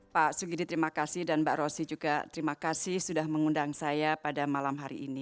pak sugidi terima kasih dan mbak rossi juga terima kasih sudah mengundang saya pada malam hari ini